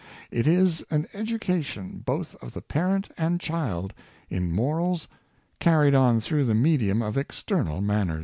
It is an edu cation both of the parent and child in morals, carried on through the medium of external manners.